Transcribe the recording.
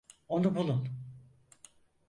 Onu bulun!